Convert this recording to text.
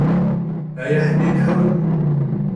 Ay Aḥnin, ḥun!